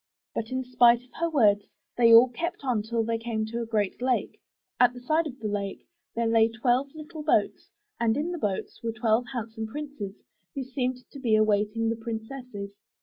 But in spite of her words, they all kept on till they came to a great lake. At the side of the lake there lay twelve little boats and in the boats were twelve handsome princes, who seemed to be awaiting the princesses.